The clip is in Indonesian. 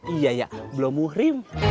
iya iya belum muhrim